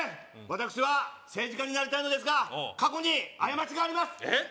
私は政治家になりたいのですが過去に過ちがありますえっ！？